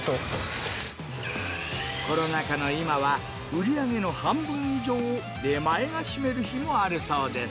コロナ禍の今は、売り上げの半分以上を出前が占める日もあるそうです。